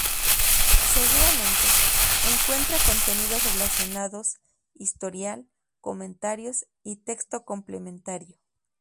Seguidamente, encuentra contenidos relacionados, historial, comentarios y texto complementario.